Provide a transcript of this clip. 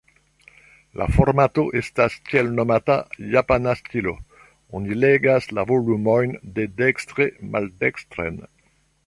La formato estas tiel-nomata "Japana stilo"; oni legas la volumojn dedekstre-maldekstren.